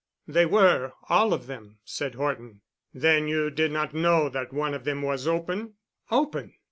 "They were—all of them," said Horton. "Then you did not know that one of them was open?" "Open!"